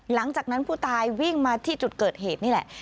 หลังจากนั้นผู้ตายวิ่งมาที่จุดเกิดเหตุนี่แหละ